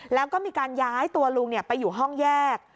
แล้วก็มีการย้ายตัวลุงไปอยู่ห้องแยก